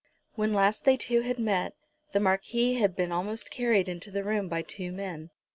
When last they two had met, the Marquis had been almost carried into the room by two men.